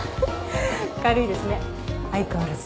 軽いですね相変わらず。